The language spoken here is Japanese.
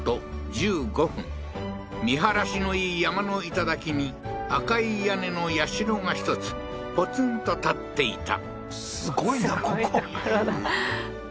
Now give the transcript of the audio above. １５分見晴らしのいい山の頂に赤い屋根の社が１つポツンと建っていたすごいなここすごい所だ